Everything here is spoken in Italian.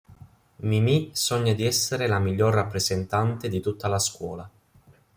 Mimi sogna di essere la miglior rappresentante di tutta la scuola.